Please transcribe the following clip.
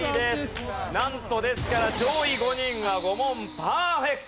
なんとですから上位５人は５問パーフェクト。